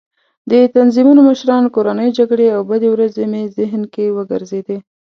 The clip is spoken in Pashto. د تنظیمونو مشران، کورنۍ جګړې او بدې ورځې مې ذهن کې وګرځېدې.